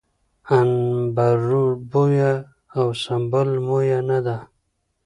عنبربويه او سنبل مويه نه ده